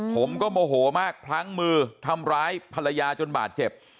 ผมก็โมโหมากพลั้งมือทำร้ายภรรยาจนบาดเจ็บ